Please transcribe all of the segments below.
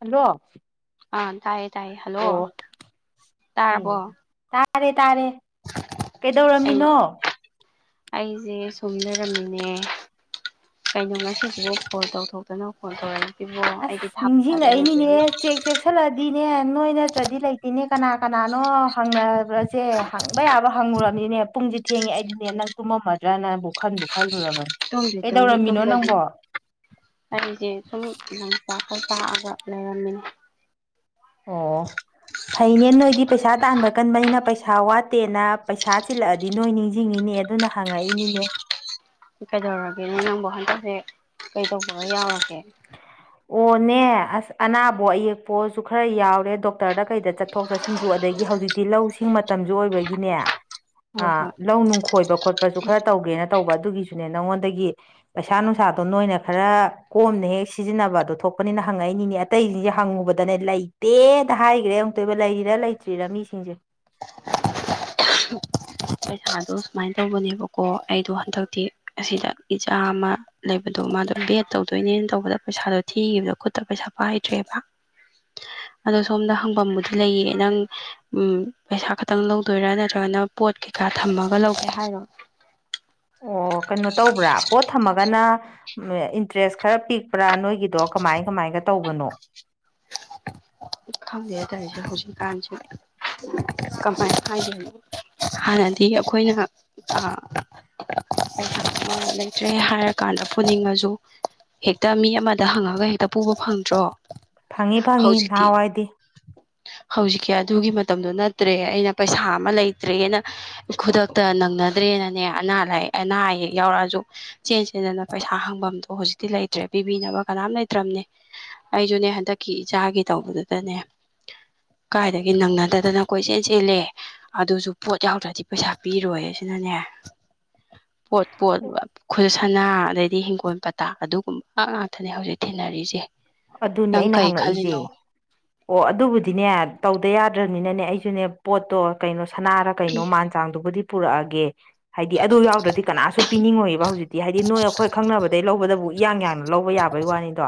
Hello ꯑꯥ ꯇꯥꯏꯌꯦ ꯇꯥꯏꯌꯦ ꯍꯜꯂꯣ ꯑꯣ ꯇꯥꯔꯕꯣ ꯇꯥꯔꯦ ꯇꯥꯔꯦ ꯀꯩꯗꯧꯔꯝꯃꯤꯅꯣ ꯑꯩꯖꯦ ꯁꯨꯝ ꯂꯩꯔꯝꯃꯤꯅꯦ ꯀꯩꯅꯣ ꯉꯁꯤꯖꯤꯕꯨ ꯐꯣꯟ ꯇꯧꯊꯣꯛꯇꯅ ꯐꯣꯟ ꯇꯧꯔꯛꯏꯖꯤꯕꯣ ꯑꯩꯗꯤ ꯊꯥꯕꯨ ꯊꯥꯖꯔꯨꯗ꯭ꯔꯦ ꯆꯦꯛꯁꯜꯂꯗꯤꯅꯦ ꯅꯣꯏ ꯅꯠꯇ꯭ꯔꯗꯤ ꯂꯩꯇꯦꯅꯦ ꯀꯅꯥ ꯀꯅꯥꯅꯣ ꯍꯪꯅꯕ ꯖꯦ ꯍꯪꯕ ꯌꯥꯕ ꯍꯪꯪꯒꯨꯔꯝꯅꯤꯅꯦ ꯄꯨꯡꯖꯦ ꯊꯦꯡꯉꯦ ꯑꯩꯗꯤꯅꯦ ꯅꯪ ꯇꯨꯝꯃꯝꯃꯗ꯭ꯔꯅꯕꯨ ꯈꯟꯕꯨ ꯈꯜꯂꯨꯔꯕ ꯇꯨꯝꯗ꯭ꯔꯤ ꯇꯨꯝꯗ꯭ꯔꯤ ꯇꯨꯝꯕꯗꯤ ꯑꯩꯖꯦ ꯁꯨꯝ ꯇꯀꯣꯏ ꯇꯥꯛꯑꯒ ꯂꯩꯔꯝꯃꯤꯅꯤ ꯑꯣ ꯐꯩꯅꯦ ꯅꯣꯏꯗꯤ ꯄꯩꯁꯥ ꯇꯥꯟꯕ ꯀꯟꯕꯅꯤꯅ ꯄꯩꯁꯥ ꯋꯥꯠꯇꯦꯅ ꯄꯩꯁꯥ ꯆꯤꯜꯂꯛꯑꯗꯤ ꯅꯣꯏ ꯅꯤꯡꯖꯤꯡꯉꯤꯅꯦ ꯗꯨꯅ ꯍꯪꯉꯛꯏꯅꯤꯅꯦ ꯀꯩꯗꯧꯔꯒꯦꯅꯦ ꯅꯪꯕꯣ ꯍꯟꯗꯛꯖꯦ ꯀꯩ ꯇꯧꯕꯒ ꯌꯥꯎꯔꯒꯦ ꯑꯣꯅꯦ ꯑꯁ ꯑꯅꯥꯕꯣ ꯑꯌꯦꯛꯄꯣ ꯈꯔ ꯌꯥꯎꯔꯦ ꯗꯣꯛꯇꯔꯗ ꯀꯩꯗ ꯆꯠꯊꯣꯛ ꯆꯠꯁꯤ ꯁꯤꯟꯖꯨ ꯑꯗꯒꯤ ꯍꯧꯖꯤꯛꯇꯤ ꯂꯧ ꯁꯤꯡ ꯃꯇꯝꯖꯨ ꯑꯣꯏꯕꯒꯤꯅꯦ ꯑ ꯍꯣꯏ ꯍꯣꯏ ꯂꯧ ꯅꯨꯡ ꯈꯣꯏꯕ ꯈꯣꯠꯄꯖꯨ ꯈꯔ ꯇꯧꯒꯦꯅ ꯇꯧꯕ ꯑꯗꯨꯒꯤꯁꯨꯅꯦ ꯅꯪꯉꯣꯟꯗꯒꯤ ꯄꯩꯁꯥ ꯅꯨꯡꯁꯥꯗꯣ ꯅꯣꯏꯅ ꯈꯔ ꯀꯣꯝꯅ ꯍꯦꯛ ꯁꯤ ꯇꯤꯖꯤꯟꯅꯕꯗꯣ ꯊꯣꯛꯄꯅꯤꯅ ꯍꯪꯉꯛꯏꯅꯤꯅꯦ ꯑꯇꯩꯖꯤꯡꯖꯦ ꯍꯪꯉꯨꯕꯗꯅꯦ ꯂꯩꯇꯦꯗ ꯍꯥꯏꯒ꯭ꯔꯦ ꯑꯃꯨꯛꯇꯣꯏꯕ ꯂꯩꯔꯤꯔ ꯂꯩ ꯇ꯭ꯔꯤꯔ ꯃꯤꯁꯤꯡꯖꯦ ꯄꯩꯁꯥꯗꯣ ꯁꯨꯃꯥꯏꯅ ꯇꯧꯕꯅꯦꯕꯀꯣ ꯑꯩꯗꯣ ꯍꯟꯗꯛꯇꯤ ꯑꯁꯤꯗ ꯏꯆꯥ ꯑꯃꯥ ꯂꯩꯕꯗꯣ ꯃꯥꯗꯣ ꯒꯦꯠ ꯇꯧꯗꯣꯏꯅꯦꯅ ꯇꯧꯕꯗ ꯄꯩꯁꯥꯗꯣ ꯊꯤꯈꯤꯕꯗꯣ ꯈꯨꯠꯇ ꯄꯩꯁꯥ ꯄꯥꯏꯗ꯭ꯔꯦꯕ ꯑꯗꯣ ꯁꯣꯝꯗ ꯍꯪꯐꯝꯕꯨꯗꯤ ꯂꯩꯌꯦ ꯅꯪ ꯎꯝ ꯄꯩꯁꯥ ꯈꯇꯪ ꯂꯧꯗꯣꯏꯔꯥ ꯅꯠꯇ꯭ꯔꯒꯅ ꯄꯣꯠ ꯀꯩꯀꯥ ꯊꯝꯃꯒ ꯂꯧꯒꯦ ꯍꯥꯏꯔꯣ ꯑꯣ ꯀꯩꯅꯣ ꯇꯧꯕ꯭ꯔꯥ ꯄꯣꯠ ꯊꯝꯃꯒꯅ ꯏꯟꯇꯔꯦꯁ ꯈꯔ ꯄꯤꯛꯄ꯭ꯔꯥ ꯅꯣꯏꯒꯤ ꯑꯗꯣ ꯀꯃꯥꯏ ꯀꯃꯥꯏꯒ ꯇꯧꯕꯅꯣ ꯈꯪꯗꯦ ꯇꯧꯏꯁꯦ ꯍꯧꯖꯤꯛ ꯀꯥꯟꯁꯤ ꯀꯃꯥꯏ ꯍꯥꯏꯗꫭꯏꯅꫭ ꯍꯥꯟꯅꯗꯤ ꯑꯩꯈꯣꯏꯅ ꯑ ꯂꯩꯇ꯭ꯔꯦ ꯍꯥꯏꯔ ꯀꯥꯟꯗ ꯄꯨꯅꯤꯡꯉꯁꯨ ꯍꯦꯛꯇ ꯃꯤ ꯑꯃꯗ ꯍꯪꯉꯒ ꯍꯦꯛꯇ ꯄꯨꯕ ꯐꯪꯗ꯭ꯔꯣ ꯐꯪꯐꯤ ꯐꯪꯉꯤ ꯍꯧꯖꯤꯛꯇꯤ ꯅꯍꯥꯟꯋꯥꯏꯗꯤ ꯍꯧꯖꯤꯛꯀꯤ ꯑꯗꯨꯒꯤ ꯃꯇꯝꯗꯣ ꯅꯠꯇ꯭ꯔꯦ ꯑꯩꯅ ꯄꯩꯁꯥ ꯑꯃ ꯂꯩꯇ꯭ꯔꯦꯅ ꯈꯨꯗꯛꯇ ꯅꯪꯅꯗ꯭ꯔꯦꯅꯅꯦ ꯑꯅꯥ ꯂꯥꯏꯌꯦꯛ ꯑꯅꯥ ꯑꯌꯦꯛ ꯌꯥꯎꯔꯛꯑꯖꯨ ꯆꯦꯟ ꯆꯦꯟꯗꯅ ꯄꯩꯁꯥ ꯍꯪꯕꯝꯗꯣ ꯍꯧꯖꯤꯛꯇꯤ ꯂꯩꯇ꯭ꯔꯦ ꯄꯤꯕꯤꯅꯕ ꯀꯅꯥꯝ ꯂꯩꯇ꯭ꯔꯝꯅꯤ ꯑꯩꯖꯨꯅꯦ ꯍꯟꯇꯛꯀꯤ ꯏꯆꯥꯒꯤ ꯇꯧꯕꯗꯨꯗꯅꯦ ꯀꯥꯏꯗꯒꯤ ꯅꯪꯅꯗꯗꯅ ꯀꯣꯏ-ꯆꯦꯜ ꯆꯦꯜꯂꯦ ꯑꯗꯨꯁꯨ ꯄꯣꯠ ꯌꯥꯎꯗ꯭ꯔꯗꯤ ꯄꯩꯁꯥ ꯄꯤꯔꯣꯏ ꯁꯤꯅꯅꯦ [inaudible] ꯄꯣꯠ ꯄꯣꯠ ꯈꯨꯠꯁꯅꯥ ꯑꯗꯩꯗꯤ ꯍꯤꯡꯒꯣꯜ ꯄꯥꯇꯥꯥ ꯑꯗꯨꯒꯨꯝꯕ ꯉꯥꯛꯇꯅꯦ ꯍꯧꯖꯤꯛ ꯊꯤꯅꯔꯤꯁꯦ ꯑꯗꯨꯅꯦ ꯑꯩꯅ ꯍꯪꯉꯛꯏꯖꯦ ꯑꯣ ꯑꯗꯨꯕꯨꯗꯤꯅꯦ ꯇꯧꯗ ꯌꯥꯗ꯭ꯔꯝꯅꯤꯅꯅꯦ ꯑꯩꯖꯨꯅꯦ ꯄꯣꯠꯇꯣ ꯀꯩꯅꯣ ꯁꯅꯥꯔ ꯀꯩꯅꯣ ꯃꯥꯟ ꯆꯥꯡꯗꯨꯕꯨꯗꯤ ꯄꯨꯔꯛꯑꯒꯦ ꯍꯥꯏꯗꯤ ꯑꯗꯨ ꯌꯥꯎꯗ꯭ꯔꯗꯤ ꯀꯅꯥꯁꯨ ꯄꯤꯅꯤꯡꯉꯣꯏꯑꯕ ꯍꯧꯖꯤꯛꯇꯤ ꯍꯥꯏꯗꯤ ꯅꯣꯏ ꯑꯩꯈꯣꯏ ꯈꯪꯅꯕꯗꯩ ꯂꯧꯕꯗꯕꯨ ꯏꯌꯥꯡ ꯌꯥꯡꯅ ꯂꯧꯕ ꯌꯥꯕꯩ ꯋꯥꯅꯤꯗꯣ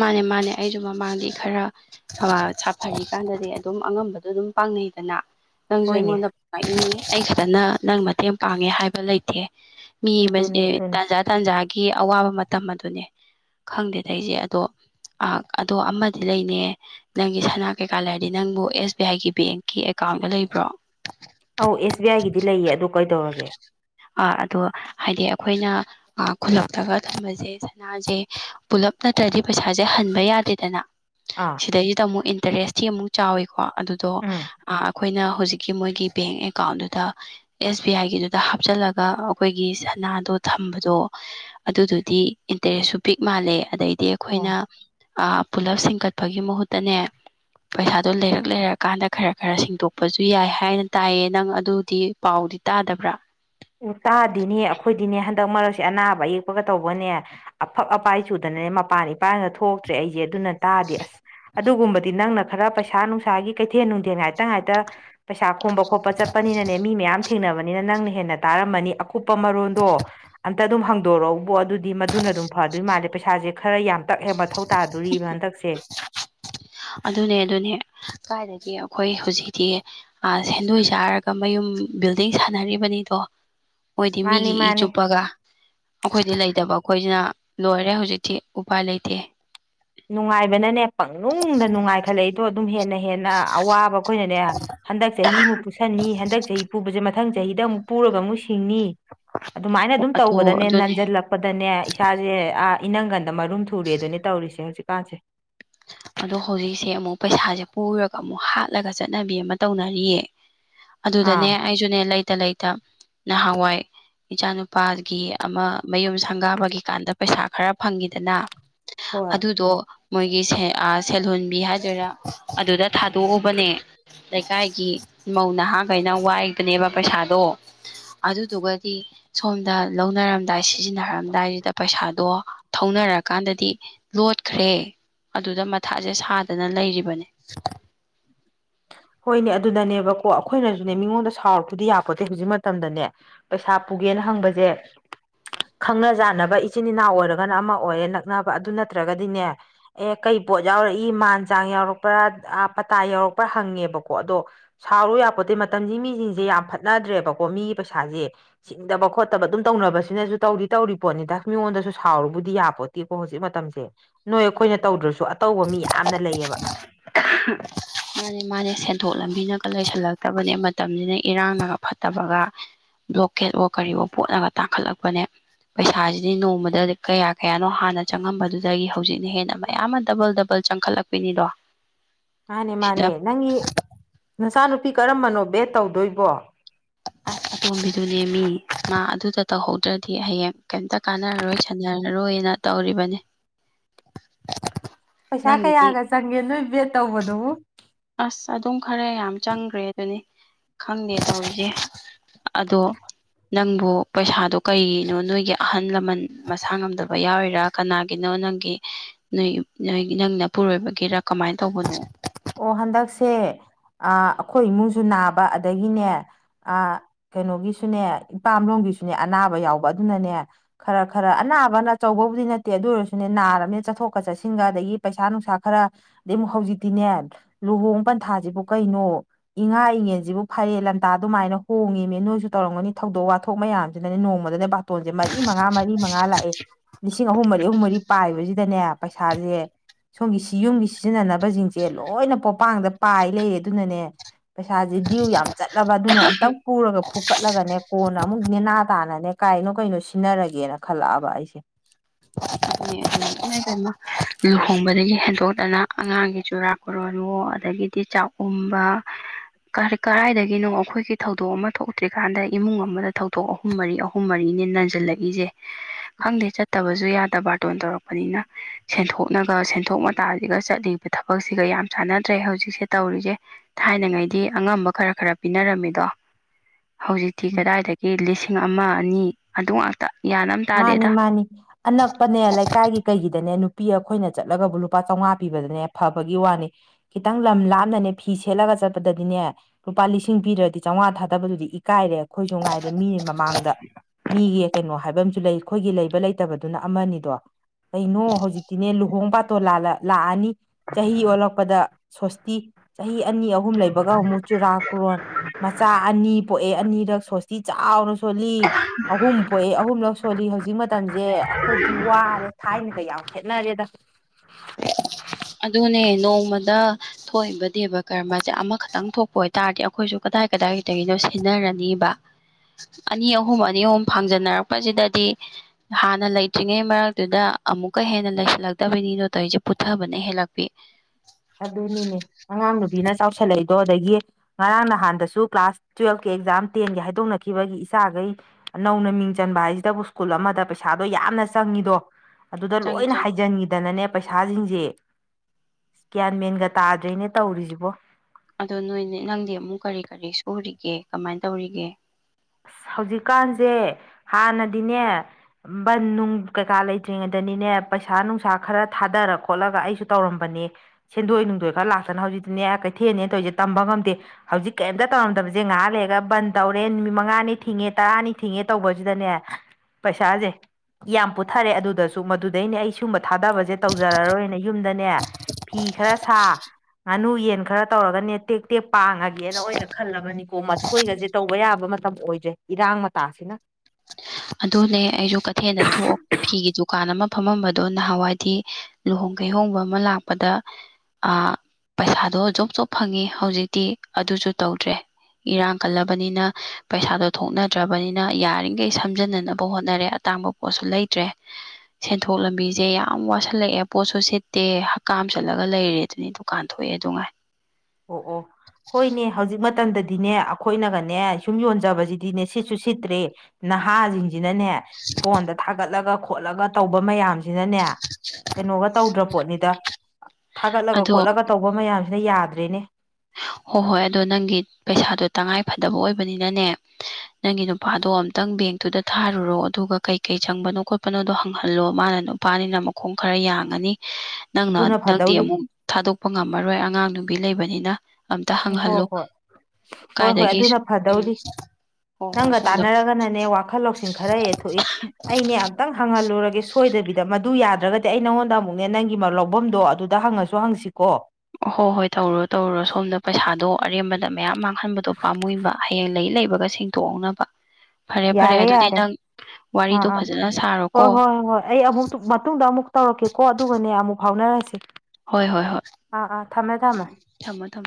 ꯃꯥꯅꯦ ꯃꯥꯅꯦ ꯑꯩꯖꯨ ꯃꯃꯥꯡꯒꯤ ꯈꯔ ꯈꯔ ꯁꯥꯐꯔꯤꯀꯥꯟꯗꯗꯤ ꯑꯗꯨꯝ ꯑꯉꯝꯕꯗꯣ ꯑꯗꯨꯝ ꯄꯥꯡꯅꯩꯗꯅ ꯅꯪꯁꯨ ꯍꯣꯏꯅꯦ ꯑꯩꯉꯣꯟꯗꯥ [unintelligible] ꯅꯤꯡꯉꯤ ꯑꯩ ꯈꯠꯇꯅ ꯅꯪ ꯃꯇꯦꯡ ꯄꯥꯡꯉꯦ ꯍꯥꯏꯕ ꯂꯩꯇꯦ ꯃꯤ ꯑꯗꯨꯅꯤ ꯃꯖꯦ ꯑꯗꯨꯅꯤ ꯇꯥꯟꯖꯥ ꯇꯥꯟꯖꯥꯒꯤ ꯑꯋꯥꯕ ꯃꯇꯝ ꯑꯗꯨꯅꯦ ꯈꯪꯗꯦꯗ ꯑꯩꯖꯦ ꯗꯣ ꯑ ꯑꯗꯣ ꯑꯃꯗꯤ ꯂꯩꯅꯦ ꯅꯪꯒꯤ ꯁꯅꯥ ꯀꯩ ꯀꯥ ꯂꯩꯔꯗꯤ ꯅꯪꯕꯨ ꯑꯦꯁ ꯕꯤ ꯑꯥꯏꯒꯤ ꯕꯦꯡꯀꯤ ꯑꯦꯀꯥꯎꯟꯒ ꯂꯩꯕ꯭ꯔꯣ ꯑꯧ ꯑꯦꯁ ꯕꯤ ꯑꯥꯏꯒꯤꯗꯤ ꯂꯩꯌꯦ ꯑꯗꯨ ꯀꯩꯗꯧꯔꯒꯦ ꯑꯥ ꯑꯗꯣ ꯍꯥꯏꯗꯤ ꯑꯈꯣꯏꯅ ꯑ ꯈꯨꯜꯂꯛꯇꯒ ꯊꯝꯕꯁꯦ ꯁꯅꯥꯖꯦ ꯄꯨꯂꯞꯅ ꯇꯗꯤ ꯄꯩꯁꯥꯖꯦ ꯍꯟꯕ ꯌꯥꯗꯦꯗꯅ ꯑꯥ ꯑꯗꯩꯗꯨꯗ ꯑꯃꯨꯛ ꯏꯟꯇꯔꯦꯁꯇꯤ ꯑꯃꯨꯛ ꯆꯥꯎꯋꯤꯀꯣ ꯑꯗꯨꯗꯣ ꯎꯝ ꯑꯥ ꯑꯈꯣꯏꯅ ꯍꯨꯖꯤꯛꯀꯤ ꯃꯣꯏꯒꯤ ꯕꯦꯡ ꯑꯦꯀꯥꯎꯟꯗꯨꯗ ꯑꯦꯁ ꯕꯤ ꯑꯥꯏꯒꯤꯗꯨꯗ ꯍꯥꯞꯆꯜꯂꯒ ꯑꯈꯣꯏꯒꯤ ꯁꯅꯥꯗꯣ ꯊꯝꯕꯗꯣ ꯑꯗꯨꯗꯨꯗꯤ ꯏꯟꯇꯔꯦꯁꯁꯨ ꯄꯤꯛ-ꯃꯥꯜꯂꯦ ꯑꯗꯩꯗꯤ ꯑꯣ ꯑꯈꯣꯏꯅ ꯑꯥ ꯄꯨꯜꯂꯞ ꯁꯤꯡꯀꯠꯄꯒꯤ ꯃꯍꯨꯠꯇꯅꯦ ꯄꯩꯁꯥꯗꯣ ꯂꯩꯔꯛ ꯂꯩꯔꯛꯀꯥꯟꯗ ꯈꯔ ꯈꯔ ꯁꯤꯡꯗꯣꯛꯄꯁꯨ ꯌꯥꯏ ꯍꯥꯏꯅ ꯇꯥꯏꯌꯦ ꯅꯪ ꯑꯗꯨꯗꯤ ꯄꯥꯎꯗꯤ ꯇꯥꯗꯕ꯭ꯔꯥ ꯑꯣ ꯇꯥꯗꯦꯅꯦ ꯑꯈꯣꯏꯗꯤꯅꯦ ꯍꯟꯗꯛ ꯃꯔꯛꯁꯦ ꯑꯅꯥꯕ ꯑꯌꯦꯛꯄꯒ ꯇꯧꯕꯅꯦ ꯑꯐꯛ ꯑꯄꯥꯏ ꯆꯨꯗꯅꯦ ꯃꯄꯥꯟ ꯏꯄꯥꯟꯒ ꯊꯣꯛꯇ꯭ꯔꯦ ꯑꯩꯖꯦ ꯑꯗꯨꯅ ꯇꯥꯗꯦ ꯑꯁ ꯑꯗꯨꯒꯨꯝꯕꯗꯤ ꯅꯪꯅ ꯈꯔ ꯄꯩꯁꯥ ꯅꯨꯡꯁꯥꯒꯤ ꯀꯩꯊꯦꯟ ꯅꯨꯡꯊꯦꯟ ꯉꯥꯏꯇ ꯉꯥꯏꯇ ꯄꯩꯁꯥ ꯈꯣꯝꯕ ꯈꯣꯠꯄ ꯆꯠꯄꯅꯤꯅꯅꯦ ꯃꯤ ꯃꯌꯥꯝ ꯊꯦꯡꯅꯕꯅꯤꯅ ꯅꯪꯅ ꯍꯦꯟꯅ ꯇꯥꯔꯝꯃꯅꯤ ꯑꯀꯨꯞꯄ ꯃꯔꯣꯟꯗꯣ ꯑꯝꯇꯗꯨꯝ ꯍꯪꯗꯣꯔꯛꯎꯕꯣ ꯑꯗꯨꯗꯤ ꯃꯗꯨꯅꯗꯨꯝ ꯐꯗꯣꯏ ꯃꯥꯜꯂꯦ ꯄꯩꯁꯥꯖꯦ ꯈꯔ ꯌꯥꯝꯇꯛ ꯍꯦ ꯃꯊꯧ ꯇꯥꯗꯨꯔꯤꯕ ꯍꯟꯇꯛꯁꯦ꯫ ꯑꯗꯨꯅꯦ-ꯑꯗꯨꯅꯦ ꯀꯥꯏꯗꯗꯤ ꯑꯈꯣꯏ ꯍꯨꯖꯤꯛꯇꯤ꯫ ꯑꯥ ꯁꯦꯟꯗꯣꯏ ꯆꯥꯔꯒ ꯃꯌꯨꯝ ꯕꯤꯜꯗꯤꯡ ꯁꯥꯟꯅꯔꯤꯕꯅꯤꯗꯣ꯫ ꯃꯣꯏꯗꯤ ꯃꯥꯅꯤ ꯃꯤꯒꯤ ꯏ ꯃꯥꯅꯤ ꯆꯨꯞꯄꯒ꯫ ꯑꯈꯣꯏꯗꯤ ꯂꯩꯇꯕ ꯑꯈꯣꯏꯁꯤꯅ ꯂꯣꯏꯔꯦ ꯍꯧꯖꯤꯛꯇꯤ ꯎꯄꯥꯏ ꯂꯩꯇꯦ꯫ ꯅꯨꯡꯉꯥꯏꯕꯅꯅꯦ ꯄꯪꯅꯨꯡꯗ ꯅꯨꯡꯉꯥꯏꯈꯠꯂꯛꯏꯗꯣ ꯑꯗꯨꯝ ꯍꯦꯜꯂꯦ꯫ ꯍꯦꯟꯅ ꯑꯋꯥꯕ ꯑꯈꯣꯏꯅꯅꯦ ꯍꯟꯗꯛ ꯆꯍꯤꯃꯨꯛ ꯄꯨꯁꯟꯅꯤ ꯍꯟꯗꯛ ꯆꯍꯤ ꯄꯨꯕꯖꯦ ꯃꯊꯪ ꯃꯊꯪ ꯆꯍꯤꯗ ꯑꯃꯨꯛ ꯄꯨꯔꯒ ꯑꯃꯨꯛ ꯁꯤꯡꯅꯤ ꯑꯗꯨꯃꯥꯏꯅ ꯑꯗꯨꯝ ꯑꯗꯣ ꯇꯧꯕꯗꯅꯦ ꯑꯗꯨꯅꯦ ꯅꯟꯖꯜꯂꯛ ꯄꯗꯅꯦ ꯏꯁꯥꯖꯦ ꯑꯥ ꯏꯅꯪꯒꯟꯗ ꯃꯔꯨꯝ ꯊꯨꯔꯦꯗꯨꯅꯦ ꯇꯧꯔꯤꯁꯦ ꯍꯧꯖꯤꯛꯀꯥꯟꯁꯦ꯫ ꯑꯗꯣ ꯍꯧꯖꯤꯛꯁꯦ ꯑꯃꯨꯛ ꯄꯩꯁꯥꯖꯦ ꯄꯨꯔꯒ ꯑꯃꯨꯛ ꯍꯥꯠꯂꯒ ꯆꯠꯅꯕꯤ ꯑꯃ ꯇꯧꯅꯔꯤꯌꯦ꯫ [inaudible] ꯑꯗꯨꯗꯅꯦ ꯑꯩꯖꯨꯅꯦ ꯂꯩꯇ-ꯂꯩꯇ ꯅꯍꯥꯟꯋꯥꯏ꯫ ꯏꯆꯥꯅꯨꯄꯥꯒꯤ ꯑꯃ ꯃꯌꯨꯝ ꯁꯪꯒꯥꯕꯒꯤꯀꯥꯟꯗ ꯄꯩꯁꯥ ꯈꯔ ꯐꯪꯏꯗꯅ꯫ ꯍꯣꯏ ꯑꯗꯨꯗꯣ꯫ ꯒꯤꯁꯦ ꯑꯥ ꯁꯦꯜꯍꯨꯟꯕꯤ ꯍꯥꯏꯗꯣꯏꯔꯥ ꯑꯗꯨꯗ ꯊꯥꯗꯣꯛꯎꯕꯅꯦ꯫ ꯂꯩꯀꯥꯏꯒꯤ ꯃꯧ ꯅꯍꯥꯈꯩꯅ ꯋꯥꯏꯕꯅꯦꯕ ꯄꯩꯁꯥꯗꯣ꯫ ꯑꯗꯨꯗꯨꯒꯗꯤ꯫ ꯁꯣꯝꯗ ꯂꯧꯅꯔꯝꯗꯥꯏ ꯁꯤꯖꯤꯟꯅꯔꯝꯗꯥꯏꯁꯤꯗ ꯄꯩꯁꯥꯗꯣ ꯊꯧꯅꯔꯀꯥꯟꯗꯗꯤ꯫ ꯂꯣꯠꯈ꯭ꯔꯦ ꯑꯗꯨꯗ ꯃꯊꯥꯁꯦ ꯁꯥꯗꯅ ꯂꯩꯔꯤꯕꯅꯤ꯫ ꯍꯣꯏꯅꯦ ꯑꯗꯨꯗꯅꯦꯕꯀꯣ ꯑꯩꯈꯣꯏꯅꯁꯨꯅꯦ ꯃꯤꯉꯣꯟꯗ ꯁꯥꯎꯔꯛ ꯄꯨꯗꯤ ꯌꯥꯄꯣꯠꯇꯦ ꯍꯧꯖꯤꯛ ꯃꯇꯝꯗꯅꯦ꯫ ꯄꯩꯁꯥ ꯄꯨꯒꯦꯅ ꯍꯪꯕꯁꯦ꯫ ꯈꯪꯅꯖꯥꯟꯅꯕ ꯏꯆꯤꯟ ꯏꯅꯥꯎ ꯑꯣꯏꯔꯒꯅ ꯑꯃ ꯑꯣꯏꯌꯦ ꯅꯛꯅꯕ ꯑꯗꯨ ꯅꯠꯇ꯭ꯔꯒꯗꯤꯅꯦ꯫ ꯑꯦ ꯀꯩ ꯄꯣꯠ ꯌꯥꯎꯔꯛꯏ ꯃꯥꯟ ꯆꯥꯡ ꯌꯥꯎꯔꯛꯄ꯭ꯔꯥ ꯄꯇꯥ ꯌꯥꯎꯔꯛꯄ꯭ꯔꯥ ꯍꯪꯉꯦꯕꯀꯣ ꯑꯗꯣ꯫ ꯁꯥꯥꯎꯔꯨ ꯌꯥꯄꯣꯠꯇꯦ ꯃꯇꯝꯁꯤ ꯃꯤꯁꯤꯡꯁꯦ ꯌꯥꯝ ꯐꯠꯅꯗ꯭ꯔꯦꯕꯀꯣ ꯃꯤꯒꯤ ꯄꯩꯁꯥꯁꯦ꯫ ꯁꯤꯡꯗꯕ ꯈꯣꯠꯇꯕ ꯑꯗꯨꯝ ꯇꯧꯅꯕꯁꯤꯅꯁꯨ ꯇꯧꯗꯤ ꯇꯧꯔꯤ ꯄꯣꯠꯅꯤꯗ ꯃꯤꯉꯣꯟꯗꯁꯨ ꯁꯥꯎꯔꯨꯕꯨꯗꯤ ꯌꯥꯄꯣꯠꯇꯦꯀꯣ ꯍꯧꯖꯤꯛ ꯃꯇꯝꯁꯦ꯫ ꯅꯣꯏ ꯑꯩꯈꯣꯏꯅ ꯇꯧꯗ꯭ꯔꯁꯨ ꯑꯇꯧꯕ ꯃꯤ ꯌꯥꯝꯅ ꯂꯩꯌꯦꯕ꯫ ꯃꯥꯅꯦ ꯃꯥꯅꯦ ꯁꯦꯟꯊꯣꯛ ꯂꯝꯕꯤꯅꯒ ꯂꯩꯁꯜꯂꯛ ꯇꯕꯅꯦ ꯃꯇꯝꯁꯤꯅ ꯏꯔꯥꯡꯅꯒ ꯐꯠꯇꯕꯒ꯫ ꯕ꯭ꯂꯣꯀꯦꯠ ꯑꯣ ꯀꯔꯤꯋꯣ ꯄꯣꯠꯅꯒ ꯇꯥꯡꯈꯠꯂꯛꯄꯅꯦ꯫ ꯄꯩꯁꯥꯁꯤꯗꯤ ꯅꯣꯡꯃꯗ ꯀꯌꯥ ꯀꯌꯥꯅꯣ ꯍꯥꯟꯅ ꯆꯪꯉꯝꯕꯗꯨꯗꯒꯤ ꯍꯧꯖꯤꯛꯅ ꯍꯦꯟꯅ ꯃꯌꯥꯝ ꯑꯃ ꯗꯕꯜ ꯗꯕꯜ꯫ ꯆꯪꯈꯠꯂꯛꯄꯤꯅꯤꯗꯣ꯫ ꯃꯥꯅꯦ ꯁꯤꯗ ꯃꯥꯅꯦ ꯅꯪꯒꯤ ꯅꯆꯥꯅꯨꯄꯤ ꯀꯔꯝꯕꯅꯣ ꯕꯦꯠ ꯇꯧꯗꯣꯏꯕꯣ꯫ ꯑꯁ ꯑꯇꯣꯝꯕꯤꯗꯨꯅꯦ ꯃꯤ ꯃꯥ ꯑꯗꯨꯗ ꯇꯧꯍꯧꯗ꯭ꯔꯗꯤ ꯍꯌꯦꯡ ꯀꯩꯝꯇ ꯀꯥꯟꯅꯔꯔꯣꯏ ꯆꯟꯅꯔꯔꯣꯏꯅ꯫ ꯇꯧꯔꯤꯕꯅꯦ꯫ [inaudible] ꯄꯩꯁꯥ ꯅꯪꯒꯤꯗꯤ ꯀꯌꯥꯒ ꯆꯪꯒꯦ ꯅꯣꯏ ꯕꯦꯠ ꯇꯧꯕꯗꯨꯕꯨ꯫ ꯑꯁ ꯑꯗꯨꯝ ꯈꯔ ꯌꯥꯝ ꯆꯪꯈ꯭ꯔꯦ ꯑꯗꯨꯅꯤ ꯈꯪꯗꯦ ꯇꯧꯔꯤꯁꯦ꯫ ꯑꯗꯣ꯫ ꯅꯪꯕꯨ ꯄꯩꯁꯥꯗꯣ ꯀꯩꯅꯣ ꯅꯣꯏꯒꯤ ꯑꯍꯟ ꯂꯃꯟ ꯃꯁꯥ ꯉꯝꯗꯕ ꯌꯥꯎꯔꯤꯔꯥ꯫ ꯀꯅꯥꯒꯤꯅꯣ ꯅꯪꯒꯤ ꯅꯣꯏ ꯅꯣꯏ ꯅꯪ ꯅꯄꯨꯔꯣꯏꯕꯒꯤꯔ ꯀꯃꯥꯏꯅ ꯇꯧꯕꯅꯣ꯫ ꯑꯣ ꯍꯟꯗꯛꯁꯦ ꯑ ꯑꯩꯈꯣꯏ ꯏꯃꯨꯡꯁꯨ ꯅꯥꯕ ꯑꯗꯒꯤꯅꯦ꯫ ꯑ ꯀꯩꯅꯣꯒꯤꯁꯨꯅꯦ ꯏꯄꯥꯝꯂꯣꯝꯒꯤꯁꯨꯅꯦ ꯑꯅꯥꯕ ꯌꯥꯎꯕ ꯑꯗꯨꯅꯅꯦ꯫ ꯈꯔ ꯈꯔ ꯑꯅꯥꯕꯅ ꯑꯆꯧꯕꯕꯨꯗꯤ ꯅꯠꯇꯦ ꯑꯗꯨ ꯑꯣꯏꯔꯁꯨꯅꯦ ꯅꯥꯔꯕꯅꯤꯅ ꯆꯠꯊꯣꯛꯀ ꯆꯠꯁꯤꯟꯒ ꯑꯗꯒꯤ ꯄꯩꯁꯥ ꯅꯨꯡꯁꯥ ꯈꯔ ꯑꯗꯩ ꯑꯃꯨꯛ ꯍꯧꯖꯤꯛꯇꯤꯅꯦ ꯂꯨꯍꯣꯡ ꯄꯟꯊꯥꯁꯤꯕꯨ ꯀꯩꯅꯣ꯫ ꯏꯉꯥ ꯏꯉꯦꯟꯁꯤꯕꯨ ꯐꯥꯏꯔꯦꯟ ꯂꯝꯇꯥ ꯑꯗꯨꯃꯥꯏꯅ ꯍꯣꯡꯉꯤꯃꯦ ꯅꯣꯏꯁꯨ ꯇꯧꯔꯝꯒꯅꯤ ꯊꯧꯗꯣꯛ ꯋꯥꯊꯣꯛ ꯃꯌꯥꯝꯁꯤꯅꯅꯦ ꯅꯣꯡꯃꯗꯅꯦ ꯕꯥ ꯇꯣꯟꯁꯦ ꯃꯔꯤ ꯃꯉꯥ ꯃꯔꯤ ꯃꯉꯥ ꯂꯥꯛꯑꯦ ꯂꯤꯁꯤꯡ ꯑꯍꯨꯝ ꯃꯔꯤ ꯑꯍꯨꯝ ꯃꯔꯤ ꯄꯥꯏꯕꯁꯤꯗꯅꯦ ꯄꯩꯁꯥꯁꯦ ꯁꯣꯝꯒꯤ ꯁꯤ ꯌꯨꯝꯒꯤ ꯁꯤꯖꯤꯟꯅꯅꯕꯖꯤꯡꯁꯦ ꯂꯣꯏꯅ ꯄꯣꯄꯥꯡꯗ ꯄꯥꯏ ꯂꯩ ꯑꯗꯨꯅꯅꯦ ꯄꯩꯁꯥꯁꯦ ꯗ꯭ꯌꯨ ꯌꯥꯝ ꯆꯠꯂꯕ ꯑꯗꯨꯅ ꯑꯝꯇꯪ ꯄꯨꯔꯒ ꯐꯨꯀꯠꯂꯒꯅꯦ ꯀꯣꯟꯅ ꯑꯃꯨꯛ ꯅꯦꯅꯥ ꯇꯥꯅꯅꯦ ꯀꯥꯏꯅꯣ ꯀꯩꯅꯣ ꯁꯤꯟꯅꯔꯒꯦꯅ ꯈꯜꯂꯛꯑꯕ ꯑꯩꯁꯦ [unintelligible] [inaudible] ꯏꯃꯥꯏꯄꯦꯃꯥ ꯂꯨꯍꯣꯡꯕꯗꯒꯤ ꯍꯦꯟꯇꯣꯛꯇꯅ ꯑꯉꯥꯡꯒꯤ ꯆꯨꯔꯥ ꯀ꯭ꯔꯣꯟꯋꯣ ꯑꯗꯒꯤꯗꯤ ꯆꯥꯛꯎꯝꯕ ꯀꯔꯤ ꯀꯔꯥꯏꯗꯒꯤꯅꯣ ꯑꯈꯣꯏꯒꯤ ꯊꯧꯗꯣꯛ ꯑꯃ ꯊꯣꯛꯇ꯭ꯔꯤꯀꯥꯟꯗ ꯏꯃꯨꯡ ꯑꯃꯗ ꯊꯧꯗꯣꯛ ꯑꯍꯨ ꯍꯨꯝ ꯃꯔꯤ ꯑꯍꯨꯝ ꯃꯔꯤꯅꯦ ꯅꯟꯖꯜꯂꯛꯏꯁꯦ ꯈꯪꯗꯦ ꯆꯠꯇꯕ ꯁꯨ ꯌꯥꯗꯕ ꯕꯥꯔꯇꯣꯟ ꯇꯧꯔꯛꯄꯅꯤꯅ ꯁꯦꯟꯊꯣꯛꯅꯒ ꯁꯦꯟꯊꯣꯛ ꯃꯇꯥꯖꯤꯒ ꯆꯠꯂꯤ ꯕ ꯊꯕꯛꯁꯤꯒ ꯌꯥꯝ ꯆꯥꯟꯅꯗ꯭ꯔꯦ ꯍꯧꯖꯤꯛꯁꯦ ꯇꯧꯔꯤꯖꯦ ꯊꯥꯏꯅꯉꯩꯗꯤ ꯑꯉꯝꯕ ꯈꯔ ꯈꯔ ꯄꯤꯅꯔꯝꯃꯤꯗꯣ ꯍꯧꯖꯤꯛꯇꯤ ꯎꯝ ꯀꯗꯥꯏꯗꯒꯤ ꯂꯤꯁꯤꯡ ꯑꯃ ꯑꯅꯤ ꯑꯗꯨ ꯉꯥꯛꯇ ꯒ꯭ꯌꯥꯟ ꯑꯃ ꯇꯥꯗꯦꯗ ꯃꯥꯅꯤ ꯃꯥꯅꯤ ꯑꯅꯛꯄꯅꯦ ꯂꯩꯀꯥꯏꯒꯤ ꯀꯩꯒꯤꯗꯅꯦ ꯅꯨꯄꯤ ꯑꯈꯣꯏꯅ ꯆꯠꯂꯒꯕꯨ ꯂꯨꯄꯥ ꯆꯥꯝꯃꯉꯥ ꯄꯤꯕꯗꯅꯦ ꯐꯕꯒꯤ ꯋꯥꯅꯤ ꯈꯤꯇꯪ ꯂꯝ ꯂꯥꯞꯅꯅꯦ ꯐꯤ ꯁꯦꯠꯂꯒ ꯆꯠꯄꯗꯗꯤꯅꯦ ꯂꯨꯄꯥ ꯂꯤꯁꯤꯡ ꯄꯤꯗ꯭ꯔꯗꯤ ꯆꯧꯉꯥ ꯊꯥꯗꯕꯗꯨꯗꯤ ꯏꯀꯥꯏꯔꯦ ꯑꯩꯈꯣꯏꯁꯨ ꯉꯥꯏꯔꯦ ꯃꯤ ꯃꯃꯥꯡꯗ ꯃꯤꯒꯤ ꯀꯩꯅꯣ ꯍꯥꯏꯕꯝꯁꯨ ꯂꯩ ꯑꯈꯣꯏꯒꯤ ꯂꯩꯕ ꯂꯩꯇꯕꯗꯨꯅ ꯑꯃꯅꯤꯗꯣ ꯀꯩꯅꯣ ꯍꯧꯖꯤꯛꯇꯤꯅꯦ ꯂꯨꯍꯣꯡ ꯕ ꯇꯣꯟ ꯂ ꯂꯥꯛꯑꯅꯤ ꯆꯍꯤ ꯑꯣꯜꯂꯛꯄꯗ ꯁꯣꯁꯇꯤ ꯆꯍꯤ ꯑꯅꯤ ꯑꯍꯨꯝ ꯂꯩꯕꯒ ꯑꯃꯨꯛ ꯆꯨꯔꯥꯀ꯭ꯔꯣꯟ ꯃꯆꯥ ꯑꯅꯤ ꯄꯣꯛꯑꯦ ꯑꯅꯤꯔꯛ ꯁꯣꯁꯇꯤ ꯆꯥꯎꯅ ꯁꯣꯜꯂꯤ ꯑꯍꯨꯝ ꯄꯣꯛꯑꯦ ꯑꯍꯨꯝꯂꯛ ꯁꯣꯜꯂꯤ ꯍꯧꯖꯤꯛ ꯃꯇꯝꯖꯦ ꯑꯩꯈꯣꯏꯗꯤ ꯋꯥꯔꯦ ꯊꯥꯏꯅꯒ ꯌꯥꯝ ꯈꯦꯠꯅꯔꯦꯗ ꯑꯗꯨꯅꯦ ꯅꯣꯡꯃꯗ ꯊꯣꯛꯏꯕ ꯗꯦꯕ ꯀꯔꯃꯁꯦ ꯑꯃꯈꯠꯇꯪ ꯊꯣꯛꯄ ꯑꯣꯏꯇꯥꯔꯗꯤ ꯑꯈꯣꯏꯁꯨ ꯀꯗꯥꯏ ꯀꯗꯥꯏꯗꯒꯤꯅꯣ ꯁꯤꯟꯅꯔꯅꯤꯕ ꯑꯅꯤ ꯑꯍꯨꯝ ꯑꯅꯤ ꯑꯍꯨꯝ ꯐꯥꯡꯖꯟꯅꯔꯛꯄꯖꯤꯗꯗꯤ ꯍꯥꯟꯅ ꯂꯩꯇ꯭ꯔꯤꯉꯩ ꯃꯔꯛꯇꯨꯗ ꯑꯃꯨꯛꯀ ꯍꯦꯟꯅ ꯂꯩꯁꯤꯜꯂꯛꯇꯕꯅꯤꯗꯣ ꯇꯣꯢꯁꯦ ꯄꯨꯊꯕꯅꯤ ꯅ ꯍꯦꯜꯂꯛꯄꯤ ꯑꯗꯨꯅꯤꯅꯦ ꯑꯉꯥꯡ ꯅꯨꯕꯤꯅ ꯆꯥꯎꯁꯜꯂꯛꯏꯗꯣ ꯑꯗꯒꯤ ꯉꯔꯥꯡ ꯅꯍꯥꯟꯗꯁꯨ ꯀ꯭ꯂꯥꯁ ꯇꯨꯋꯦꯜꯐꯀꯤ ꯑꯦꯛꯖꯥꯝ ꯇꯦꯟꯒꯤ ꯍꯥꯏꯗꯣꯛꯅꯈꯤꯕꯒꯤ ꯏꯁꯥꯒꯩ ꯅꯧꯅ ꯃꯤꯡ ꯆꯟꯕ ꯍꯥꯏꯁꯤꯗꯕꯨ ꯁ꯭ꯀꯨꯜ ꯑꯃꯗ ꯄꯩꯁꯥꯗꯣ ꯌꯥꯝꯅ ꯆꯪꯉꯤꯗꯣ ꯑꯗꯨꯗ ꯆꯪꯉꯤ ꯂꯣꯏꯅ ꯆꯪꯉꯤ ꯍꯥꯏꯖꯟꯒꯤꯗꯅꯅꯦ ꯄꯩꯁꯥꯖꯤꯡꯖꯦ ꯒ꯭ꯌꯥꯟ ꯃꯦꯟꯒ ꯇꯥꯗ꯭ꯔꯦꯅꯦ ꯇꯧꯔꯤꯖꯤꯕꯣ ꯑꯗꯣ ꯅꯣꯏꯅꯦ ꯅꯪꯗꯤ ꯑꯃꯨꯛ ꯀꯔꯤ ꯀꯔꯤ ꯁꯨꯔꯤꯒꯦ ꯀꯃꯥꯏꯟ ꯇꯧꯔꯤꯒꯦ ꯑꯁ ꯍꯧꯖꯤꯛꯀꯥꯟꯁꯦ ꯍꯥꯟꯅꯗꯤꯅꯦ ꯕꯟ ꯅꯨꯡ ꯀꯩꯀꯥ ꯂꯩꯇ꯭ꯔꯤꯉꯩꯗꯅꯤꯅꯦ ꯄꯩꯁꯥ ꯅꯨꯡꯁꯥ ꯈꯔ ꯊꯥꯗꯔ ꯈꯣꯠꯂꯒ ꯑꯩꯁꯨ ꯇꯧꯔꯝꯕꯅꯦ ꯁꯦꯟꯗꯣꯏ ꯅꯨꯡꯗꯣꯏ ꯈꯔ ꯂꯥꯛꯇꯅ ꯍꯧꯖꯤꯛꯇꯤꯅꯦ ꯀꯩꯊꯦꯜꯅꯦꯅ ꯇꯧꯔꯤꯁꯦ ꯇꯝꯕ ꯉꯝꯗꯦ ꯍꯧꯖꯤꯛ ꯀꯩꯝꯇ ꯇꯧꯔꯝꯗꯕꯁꯦ ꯉꯥꯏꯍꯥꯛ ꯂꯩꯔꯒ ꯕꯟ ꯇꯧꯔꯦ ꯅꯨꯃꯤ ꯃꯤꯠ ꯃꯉꯥꯅꯤ ꯊꯤꯡꯉꯦ ꯇꯔꯥꯅꯤ ꯊꯤꯡꯉꯦ ꯇꯧꯕꯖꯤꯗꯅꯦ ꯄꯩꯁꯥꯖꯦ ꯌꯥꯝ ꯄꯨꯊꯔꯦ ꯑꯗꯨꯗꯁꯨ ꯃꯗꯨꯗꯩꯅꯦ ꯑꯩ ꯁꯨꯝꯕ ꯊꯥꯗꯕꯁꯦ ꯇꯧꯖꯔꯔꯣꯏꯅ ꯌꯨꯝꯗꯅꯦ ꯐꯤ ꯈꯔ ꯁꯥ ꯉꯥꯅꯨ ꯌꯦꯟ ꯈꯔ ꯇꯧꯔꯒꯅꯦ ꯇꯦꯛ ꯇꯦꯛ ꯄꯥꯡꯉꯒꯦꯅ ꯑꯣꯏꯅ ꯈꯜꯂꯕꯅꯤꯀꯣ ꯃꯊꯣꯏꯒꯖꯦ ꯇꯧꯕ ꯌꯥꯕ ꯃꯇ ꯇꯝ ꯑꯣꯏꯗ꯭ꯔꯦ ꯏꯔꯥꯡ ꯃꯇꯥꯁꯤꯅ ꯑꯗꯨꯅꯦ ꯑꯩꯖꯨ ꯀꯊꯦꯜꯗ ꯊꯣꯛꯑ ꯐꯤꯒꯤ ꯗꯨꯀꯥꯟ ꯑꯃ ꯐꯝꯃꯝꯕꯗꯣ ꯅꯍꯥꯋꯥꯏꯗꯤ ꯂꯨꯍꯣꯡ ꯀꯩꯍꯣꯡꯕ ꯑꯃ ꯂꯥꯛꯄꯗ ꯑ ꯄꯩꯁꯥꯗꯣ ꯖꯣꯞ ꯖꯣꯞ ꯐꯪꯉꯤ ꯍꯧꯖꯤꯛꯇꯤ ꯑꯗꯨꯁꯨ ꯇꯧꯗ꯭ꯔꯦ ꯏꯔꯥꯡ ꯀꯜꯂꯕꯅꯤꯅ ꯄꯩꯁꯥꯗꯣ ꯊꯣꯛꯅꯗ꯭ꯔꯕꯅꯤꯅ ꯌꯥꯔꯤꯈꯩ ꯁꯝ ꯖꯟꯅꯅꯕ ꯍꯣꯠꯅꯔꯦ ꯑꯇꯥꯡꯕ ꯄꯣꯠꯁꯨ ꯂꯩꯗ꯭ꯔꯦ ꯁꯦꯟꯊꯣꯛ ꯂꯝꯕꯤꯖꯦ ꯌꯥꯝ ꯋꯥꯁꯜꯂꯛꯑꯦ ꯄꯣꯠꯁꯨ ꯁꯤꯠꯇꯦ ꯍꯀꯥꯝ ꯆꯠꯂꯒ ꯂꯩꯔꯦ ꯑꯗꯨꯅꯤ ꯑꯗꯨꯝ ꯀꯥꯟ ꯊꯣꯛꯑꯦ ꯗꯨ ꯉꯥꯏ ꯑꯣ ꯑꯣ ꯍꯣꯏꯅꯦ ꯍꯧꯖꯤꯛ ꯃꯇꯝꯗꯗꯤꯅꯦ ꯑꯈꯣꯏꯅꯒꯅꯦ ꯁꯨꯝ ꯌꯣꯟꯖꯕꯁꯤꯗꯤꯅꯦ ꯁꯤꯠꯁꯨ ꯁꯤꯠꯇ꯭ꯔꯦ ꯅꯍꯥꯖꯤꯡꯖꯤꯅꯅꯦ ꯐꯣꯟꯗ ꯊꯥꯒꯠꯂꯒ ꯈꯣꯠꯂꯒ ꯇꯧꯕ ꯃꯌꯥꯝ ꯖꯤꯅꯅꯦ ꯀꯩꯅꯣꯒ ꯇꯧꯗ꯭ꯔ ꯄꯣꯠꯅꯤꯗ ꯊꯥꯒꯠꯂꯒ ꯑꯗꯣ ꯈꯣꯠꯂꯒ ꯇꯧꯕ ꯃꯌꯥꯝꯁꯤꯅ ꯌꯥꯗ꯭ꯔꯦꯅꯦ ꯍꯣ ꯍꯣꯏ ꯑꯗꯣ ꯅꯪꯒꯤ ꯄꯩꯁꯥꯗꯣ ꯇꯉꯥꯏ ꯐꯗꯕ ꯑꯣꯏꯕꯅꯤꯅꯅꯦ ꯅꯪꯒꯤ ꯅꯨꯄꯥꯗꯣ ꯑꯝꯇꯪ ꯕꯦꯡꯇꯨꯗ ꯊꯥꯔꯨꯔꯣ ꯑꯗꯨꯒ ꯀꯩ ꯀꯩ ꯆꯪꯕꯅꯣ ꯈꯣꯠꯄꯅꯣꯗꯣ ꯍꯪꯍꯜꯂꯣ ꯃꯥꯅ ꯗꯨꯝ ꯄꯥꯅꯤꯅ ꯃꯈꯣꯡ ꯈꯔ ꯌꯥꯡꯉꯅꯤ ꯅꯪꯅ ꯑꯗꯨꯅ ꯅꯪꯗꯤ ꯐꯗꯧꯔꯤ ꯑꯃꯨꯛ ꯊꯥꯗꯣꯛꯄ ꯉꯝꯃꯔꯣꯏ ꯑꯉꯥꯡ ꯅꯨꯕꯤ ꯂꯩꯕꯅꯤꯅ ꯑꯝꯇ ꯍꯣ ꯍꯪꯍꯜꯂꯨ ꯍꯣꯏ ꯍꯣꯏ ꯍꯣꯏ ꯀꯥꯏꯗꯒꯤ ꯑꯗꯨꯅ ꯎꯝ ꯐꯗꯧꯔꯤ ꯍꯣꯏ ꯍꯣꯏ ꯅꯪꯒ ꯁꯣꯝꯗ ꯇꯥꯟꯅꯔꯒꯅꯅꯦ ꯋꯥꯈꯜ ꯂꯧꯁꯤꯡ ꯈꯔ ꯍꯦ ꯊꯣꯛꯏ ꯑꯩꯅꯦ ꯇꯪ ꯍꯪꯍꯜꯂꯨꯔꯒꯦ ꯁꯣꯏꯗꯕꯤꯗ ꯃꯗꯨ ꯌꯥꯗ꯭ꯔꯒꯗꯤ ꯑꯩ ꯅꯪꯉꯣꯟꯗ ꯑꯃꯨꯛꯅꯦ ꯅꯪꯒꯤ ꯂꯧꯕꯝꯗꯣ ꯑꯗꯨꯗ ꯍꯉꯁꯨ ꯁꯨ ꯍꯪꯁꯤꯀꯣ ꯍꯣ ꯍꯣꯏ ꯇꯧꯔꯣ ꯇꯧꯔꯣ ꯁꯣꯝꯗ ꯄꯩꯁꯥꯗꯣ ꯑꯔꯦꯝꯕꯗ ꯃꯌꯥꯝ ꯃꯥꯡ ꯍꯟꯕꯗꯣ ꯄꯥꯝꯃꯨꯏꯕ ꯍꯌꯦꯡ ꯂꯩ ꯂꯩꯕꯒ ꯁꯤꯡꯇꯣꯛꯍꯧꯅꯕ ꯐꯔꯦ ꯐꯔꯦ ꯌꯥꯔꯦ ꯑꯗꯨꯗꯤ ꯌꯥꯔꯦ ꯅꯪ ꯋꯥꯔꯤꯗꯣ ꯐꯖꯅ ꯁꯥꯔꯣꯀꯣ ꯍ ꯍꯣꯏ ꯑꯩ ꯑꯃꯨꯛ ꯇꯨ ꯃꯇꯨꯡꯗ ꯑꯃꯨꯛ ꯇꯧꯔꯛꯀꯦꯀꯣ ꯑꯗꯨꯒꯅꯦ ꯑꯃꯨꯛ ꯐꯥꯎꯅꯔꯁꯤ ꯍꯣꯏ ꯍꯣꯏ ꯍꯣꯏ ꯑꯥ ꯑꯥ ꯊꯝꯃꯦ ꯊꯝꯃꯦ ꯊꯝꯃꯣ ꯊꯝ